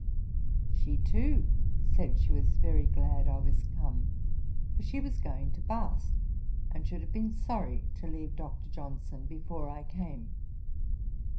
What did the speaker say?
She too said, she was very glad I was come, for she was going to Bath, and should have been sorry to leave Dr. Johnson before I came.